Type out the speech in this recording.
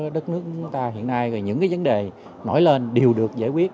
đất nước chúng ta hiện nay những vấn đề nổi lên đều được giải quyết